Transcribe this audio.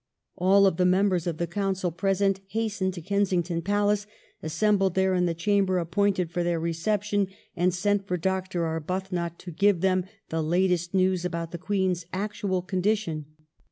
AU the members of the Council present hastened to Kensington Palace, assembled there in the chamber appointed for their reception, and sent for Dr. Arbuthnot to give them the latest news about the Queen's actual condition.